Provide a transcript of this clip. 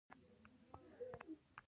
مېلمه ته د کور د زړو شیانو شکایت مه کوه.